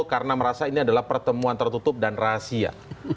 karena merasa ini adalah pertemuan tertutup dan rahasia